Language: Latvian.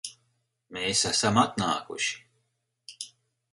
Mēs esam atnākuši